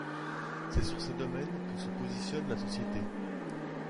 C'est sur ces domaines que se positionne la société.